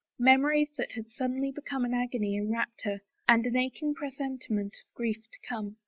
Memories that had suddenly become an agony enwrapped her, and an aching presentiment of grief to come.